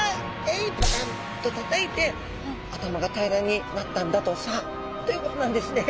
えいっポカンとたたいて頭が平らになったんだとさということなんですね。